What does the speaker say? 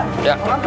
tangan jangan jangan